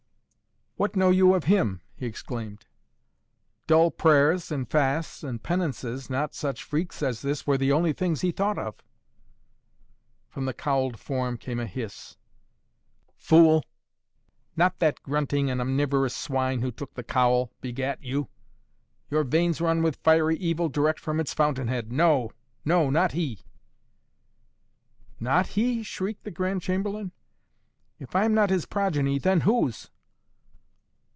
"What know you of him?" he exclaimed. "Dull prayers and fasts and penances, not such freaks as this, were the only things he thought of." From the cowled form came a hiss. "Fool! Not that grunting and omnivorous swine who took the cowl, begat you! Your veins run with fiery evil direct from its fountainhead. No, no, not he!" "Not he?" shrieked the Grand Chamberlain. "If I am not his progeny, then whose?"